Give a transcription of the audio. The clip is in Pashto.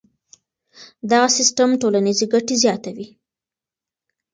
دغه سیستم ټولنیزې ګټې زیاتوي.